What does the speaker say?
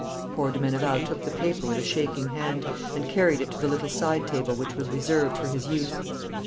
Poor de Meneval took the paper with a shaking hand, and carried it to the little side table which was reserved for his use.